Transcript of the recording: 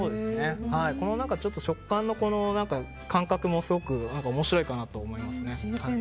この食感の感覚もすごく面白いかなと思います。